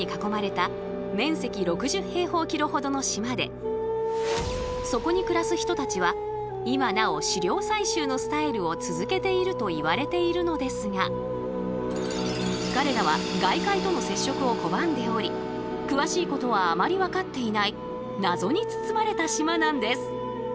それはインド洋に浮かぶそこに暮らす人たちは今なお狩猟採集のスタイルを続けているといわれているのですが彼らは外界との接触を拒んでおり詳しいことはあまり分かっていない謎に包まれた島なんです。